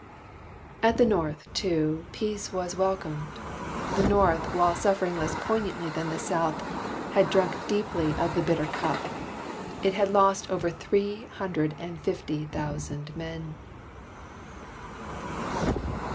ABRAM J. RYAN. At the North, too, Peace was welcome. The North, while suffering less poignantly than the South, had drunk deeply of the bitter cup. It had lost over three hundred and fifty thousand men.